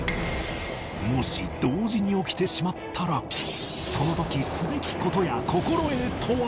もし同時に起きてしまったらその時すべき事や心得とは